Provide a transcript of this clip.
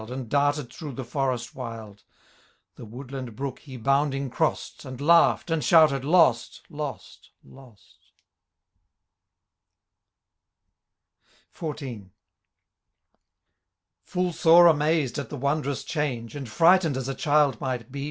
And darted through the forest wild ; The woodland brook he bounding cross*dv Andlaugh'd, and shouted, "« Lost ! lost I lost *'' XIV. Full sore amazed at the wondrous change, And frightened as a child might be.